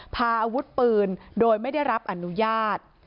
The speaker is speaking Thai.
พาอาวุธปืนโดยไม่ได้รับอนุญาต